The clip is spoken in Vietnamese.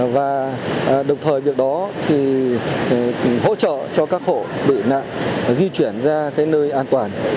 và đồng thời việc đó thì hỗ trợ cho các hộ bị nạn di chuyển ra nơi an toàn